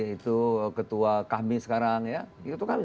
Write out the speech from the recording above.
itu ketua kami